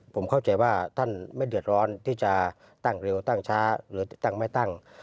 ผมเข้าใจว่าท่านไม่เดือดร้อนที่จะตั้งเร็วตั้งช้าหรือตั้งไม่ตั้ง